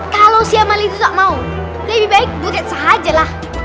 kalau si amal itu tak mau lebih baik butet sajalah